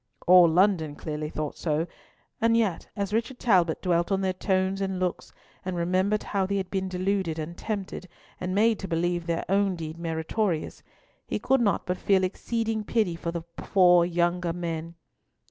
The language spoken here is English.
All London clearly thought so; and yet, as Richard Talbot dwelt on their tones and looks, and remembered how they had been deluded and tempted, and made to believe their deed meritorious, he could not but feel exceeding pity for the four younger men.